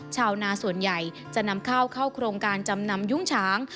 ชาวนาส่วนใหญ่จะนำข้าวเข้าโครงการจำนำยุ้งฉาง